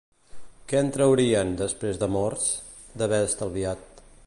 Què en traurien, després de morts, d'haver estalviat